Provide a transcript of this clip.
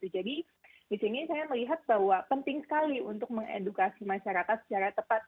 jadi disini saya melihat bahwa penting sekali untuk mengedukasi masyarakat secara tepat